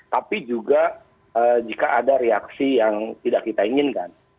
tapi juga jika ada reaksi yang tidak kita inginkan